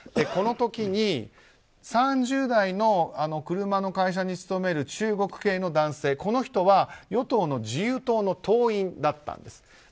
この時に３０代の車の会社に勤める中国系の男性、この人は与党の自由党の党員だったんです。